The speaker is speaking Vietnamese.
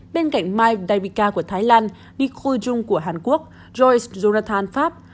bên cạnh mike dabica của thái lan nicole jung của hàn quốc joyce jonathan pháp